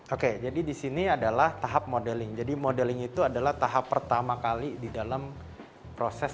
oke jadi disini adalah tahap modeling jadi modeling itu adalah tahap pertama kali di dalam proses